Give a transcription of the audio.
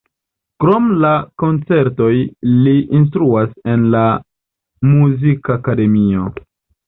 Krom la koncertoj li instruas en la muzikakademio.